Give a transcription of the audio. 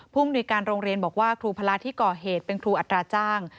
มนุยการโรงเรียนบอกว่าครูพละที่ก่อเหตุเป็นครูอัตราจ้าง